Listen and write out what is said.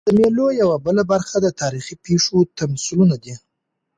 د مېلو یوه بله برخه د تاریخي پېښو تمثیلونه دي.